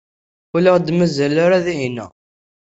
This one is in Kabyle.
Ur aɣ-d-mazal ara dihin.